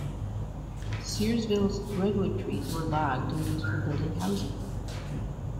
Searsville's redwood trees were logged and used for building housing.